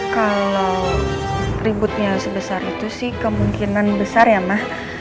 kalo ributnya sebesar itu sih kemungkinan besar ya ma